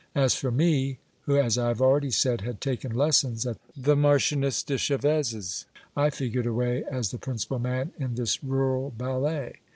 As for me, who, as I have already said, had taken lessons at the Marchioness de Chaves's, I figured away as the principal man in this rural ballet.